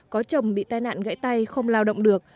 có chồng bị tai nạn gãy tay không lao động được